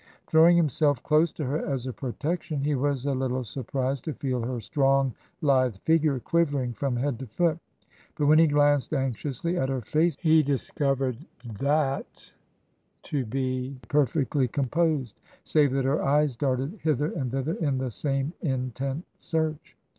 Throwing himself close to her as a protection, he was a little surprised to feel her strong, lithe figure quivering from head to foot; but when he glanced anxiously at her fece he discovered that to be perfectly composed, save that her eyes darted hither and thither in the same intent search.